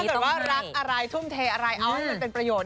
เกิดว่ารักอะไรทุ่มเทอะไรเอาให้มันเป็นประโยชน